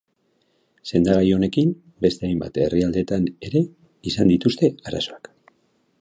Sendagai honekin beste hainbat herrialdetan ere izan dituzte arazoak.